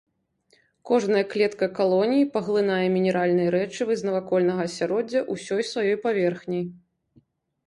Кожная клетка калоніі паглынае мінеральныя рэчывы з навакольнага асяроддзя ўсёй сваёй паверхняй.